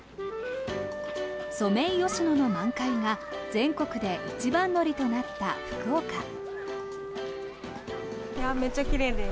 ソメイヨシノの満開が全国で一番乗りとなった福岡。